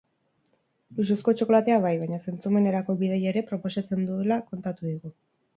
Luxuzko txokolatea bai, baina zentzumenerako bidaia ere proposatzen duela kontatu digu.